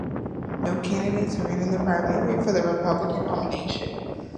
No candidates ran in the primary for the Republican nomination.